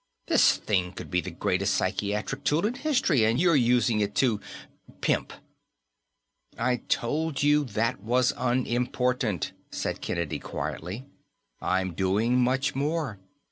This thing could be the greatest psychiatric tool in history, and you're using it to pimp!" "I told you that was unimportant," said Kennedy quietly. "I'm doing much more.